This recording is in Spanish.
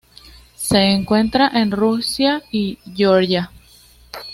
Se encuentra en Rusia y Georgia.